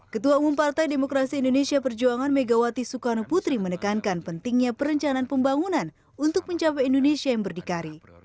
ketua umum partai demokrasi indonesia perjuangan megawati soekarno putri menekankan pentingnya perencanaan pembangunan untuk mencapai indonesia yang berdikari